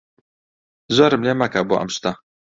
زۆرم لێ مەکە بۆ ئەم شتە.